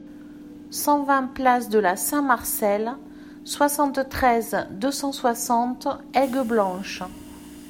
cent vingt place de la Saint-Marcel, soixante-treize, deux cent soixante, Aigueblanche